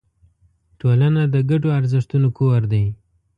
ټولنه د ګډو ارزښتونو کور دی.